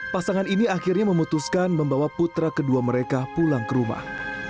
pasangan ini akhirnya memutuskan membawa putra kedua mereka pulang ke rumah